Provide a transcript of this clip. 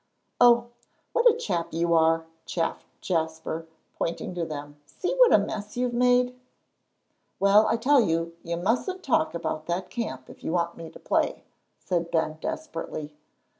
"Oh, what a chap you are!" chaffed Jasper, pointing to them. "See what a mess you've made!" "Well, I tell you, you mustn't talk about that camp, if you want me to play," said Ben, desperately.